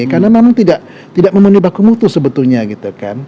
karena memang tidak memenuhi baku mutu sebetulnya gitu kan